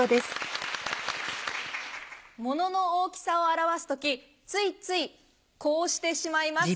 物の大きさを表す時ついついこうしてしまいます。